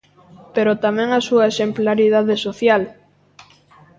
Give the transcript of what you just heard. Pero tamén a súa exemplaridade social.